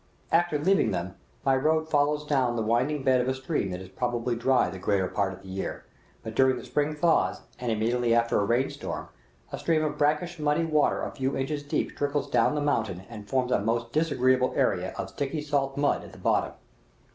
After leaving them, my road follows down the winding bed of a stream that is probably dry the greater part of the year; but during the spring thaws, and immediately after a rain storm, a stream of brackish, muddy water a few inches deep trickles down the mountain and forms a most disagreeable area of sticky salt mud at the bottom.